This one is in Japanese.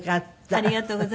ありがとうございます。